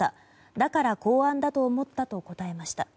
だから公安だと思ったと答えました。